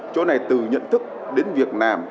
chỗ này từ nhận thức đến việc làm